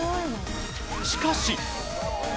しかし。